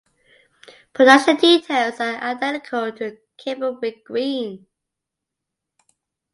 Production details are identical to "Camberwick Green".